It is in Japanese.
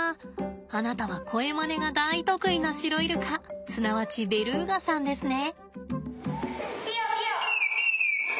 あなたは声まねが大得意なシロイルカすなわちベルーガさんですね。